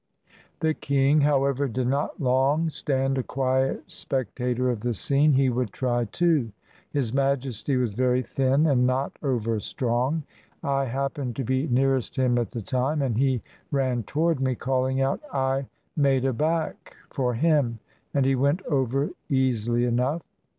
The king, however, did not long stand a quiet specta tor of the scene ; he would try, too. His Majesty was very thin, and not over strong. I happened to be nearest him at the time; and he ran toward me, calling out. I " made a back " for him, and he went over easily enough.